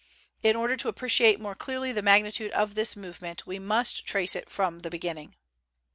In order to appreciate more clearly the magnitude of this movement, we must trace it from the beginning.